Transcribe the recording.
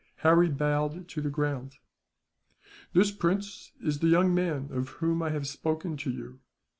Harry bowed to the ground. "This, Prince, is the young man of whom I have spoken to you.